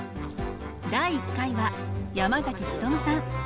第１回は山努さん。